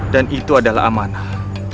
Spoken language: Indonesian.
dan itu adalah amanah